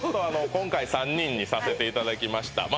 今回３人にさせていただきましたまあ